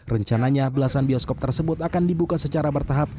rencananya belasan bioskop tersebut akan dibuka secara bertahap